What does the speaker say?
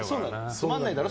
つまんないだろ